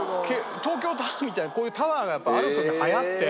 東京タワーみたいなこういうタワーがやっぱあるはやって。